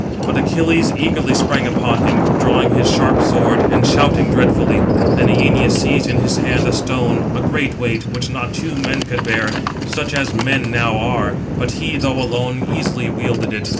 But Achilles eagerly sprang upon him, drawing his sharp sword, and shouting dreadfully. Then Æneas seized in his hand a stone, a great weight, which not two men could bear, such as men now are; but he, though alone, easily wielded it.